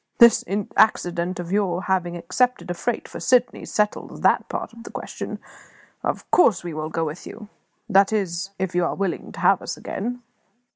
This accident of your having accepted a freight for Sydney settles that part of the question, of course, for we will go with you that is, if you are willing to have us again."